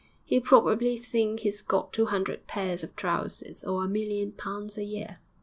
He'll probably think he's got two hundred pairs of trousers or a million pounds a year.'